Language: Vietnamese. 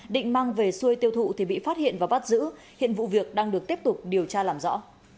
định mang về xuôi tiêu thụ thì bị phát hiện và bắt giữ hiện vụ việc đang được tiếp tục điều tra làm rõ